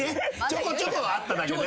ちょこちょこあっただけで。